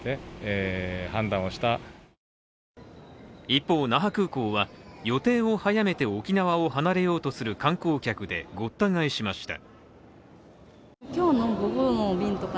一方、那覇空港は予定を早めて沖縄を離れようとする観光客でごった返しました。